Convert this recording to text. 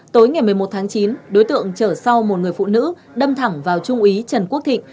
tối ngày một mươi một tháng chín đối tượng chở sau một người phụ nữ đâm thẳng vào trung úy trần quốc thịnh